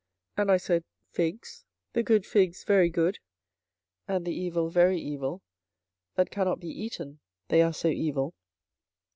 And I said, Figs; the good figs, very good; and the evil, very evil, that cannot be eaten, they are so evil.